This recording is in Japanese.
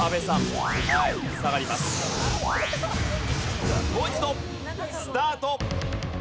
もう一度スタート。